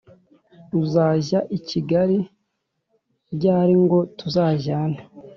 - uzajya i kigali ryari ngo tuzajyane?